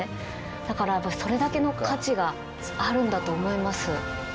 だからそれだけの価値があるんだと思います。